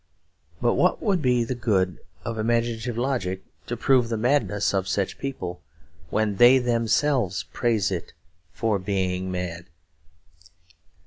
But what would be the good of imaginative logic to prove the madness of such people, when they themselves praise it for being mad?